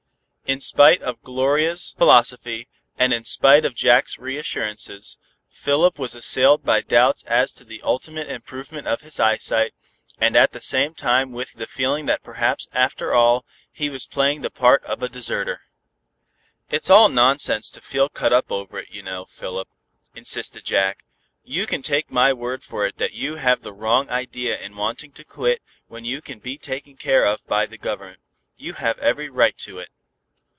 In spite of Gloria's philosophy, and in spite of Jack's reassurances, Philip was assailed by doubts as to the ultimate improvement of his eyesight, and at the same time with the feeling that perhaps after all, he was playing the part of a deserter. "It's all nonsense to feel cut up over it, you know, Philip," insisted Jack. "You can take my word for it that you have the wrong idea in wanting to quit when you can be taken care of by the Government. You have every right to it."